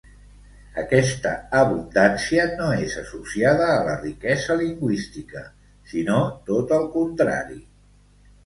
Aquesta abundància no és associada a la riquesa lingüística, sinó tot el contrari.